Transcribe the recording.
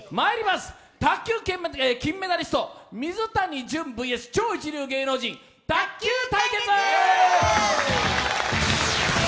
卓球金メダリスト水谷隼ＶＳ超一流芸能人、卓球対決。